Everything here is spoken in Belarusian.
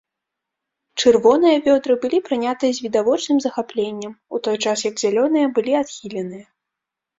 Чырвоныя вёдры былі прынятыя з відавочным захапленнем, у той час як зялёныя былі адхіленыя.